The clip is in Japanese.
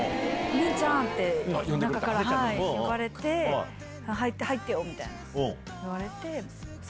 凛ちゃーんって中から呼ばれて、入ってよみたいな言われて。